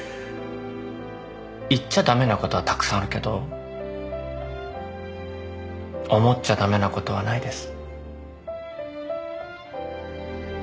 言っちゃ駄目なことはたくさんあるけど思っちゃ駄目なことはないです。